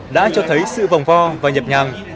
đã cho thấy sự vòng vo và nhập nhàng